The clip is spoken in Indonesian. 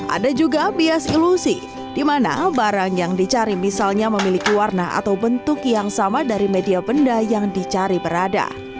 ada juga bias ilusi di mana barang yang dicari misalnya memiliki warna atau bentuk yang sama dari media benda yang dicari berada